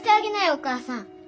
お母さん。